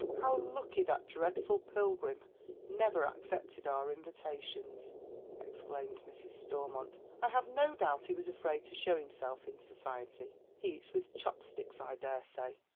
" How lucky that dreadful Pilgrim never accepted our imnta tions 1 " exclaims ]\Irs. Stormont. " I have no doubt he was afraid to showliimself in society. He eats with chopsticks, I dare say."